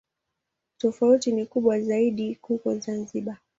Tofauti ni kubwa zaidi huko Zanzibar.